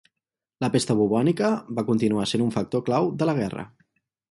La pesta bubònica va continuar sent un factor clau de la guerra.